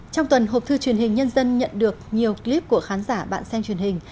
trong tuần hộp thư truyền hình nhân dân nhận được nhiều clip của khán giả bạn xem truyền hình